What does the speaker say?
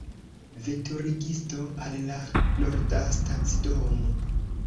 Veturigisto, al la Nordastacidomo!